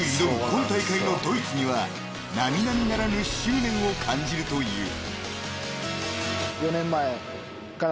今大会のドイツには並々ならぬ執念を感じるという］